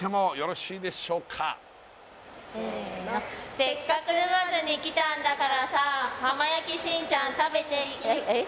「せっかく沼津に来たんだからさぁ」「浜焼きしんちゃん食べて」えっ？